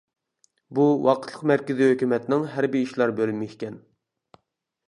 بۇ ۋاقىتلىق مەركىزىي ھۆكۈمەتنىڭ ھەربىي ئىشلار بۆلۈمى ئىكەن.